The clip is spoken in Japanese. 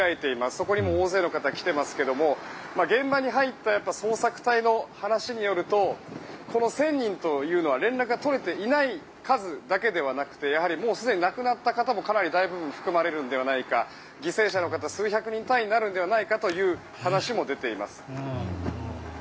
そこにもう大勢の方来ていますが現場に入った捜索隊の話によるとこの１０００人というのは連絡が取れていない数だけではなくてもうすでに亡くなった方もかなり大部分含まれるのではないか犠牲者の方、数百人単位になるのではないかという話も出ています。